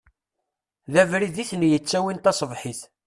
D abrid i ten-yettawin tasebḥit.